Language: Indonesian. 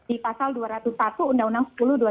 di pasal dua ratus satu undang undang sepuluh dua ribu